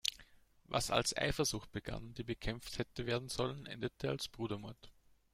Was als Eifersucht begann, die bekämpft hätte werden sollen, endete als Brudermord.